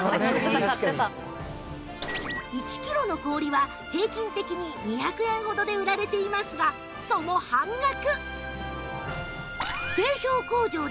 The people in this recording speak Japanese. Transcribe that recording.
１キロの氷は平均的に２００円ほどで売られていますがその半額！